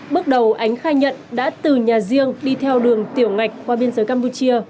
bước đầu ánh khai nhận đã từ nhà riêng đi theo đường tiểu ngạch qua biên giới campuchia